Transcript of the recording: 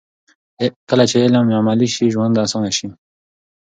کله چې علم عملي شي، ژوند اسانه شي.